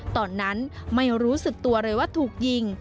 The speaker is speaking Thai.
ตอนนั้นไม่รู้สึกตัวเลยว่าถูกยิง